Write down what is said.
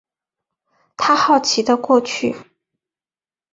他好奇的过去